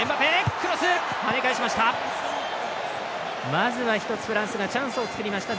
まずは１つ、フランスがチャンスを作りました。